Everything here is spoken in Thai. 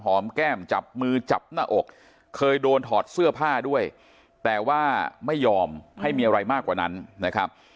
แก้มจับมือจับหน้าอกเคยโดนถอดเสื้อผ้าด้วยแต่ว่าไม่ยอมให้มีอะไรมากกว่านั้นนะครับ